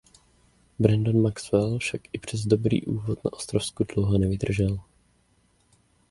Brandon Maxwell však i přes dobrý úvod na Ostravsku dlouho nevydržel.